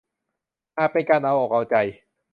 อาจเป็นการเอาอกเอาใจ